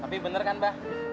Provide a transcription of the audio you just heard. tapi bener kan mbah